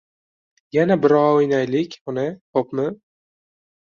Yana biroa o'ynaylik, ona. Xo'pmi?